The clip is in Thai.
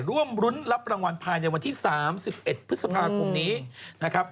ร่วมรุ้นรับรางวัลภายในวันที่๓๑พฤษภาคมนี้นะครับ